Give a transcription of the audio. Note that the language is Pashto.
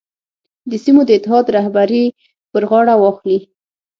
د سیمو د اتحاد رهبري پر غاړه واخلي.